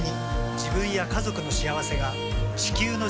自分や家族の幸せが地球の幸せにつながっている。